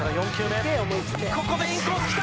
ここでインコース来た！